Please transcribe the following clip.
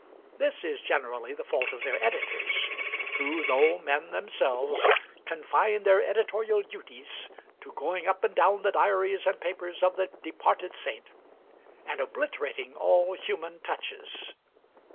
This is generally the fault of their editors, who, though men themselves, confine their editorial duties to going up and down the diaries and papers of the departed saint, and obliterating all human touches.